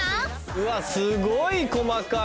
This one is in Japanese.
うわすごい細かい